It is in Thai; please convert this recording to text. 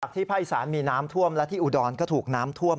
หากที่ไพรศาลมีน้ำท่วมและที่อุดรณ์ก็ถูกน้ำท่วม